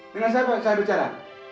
dengan siapa saya berbicara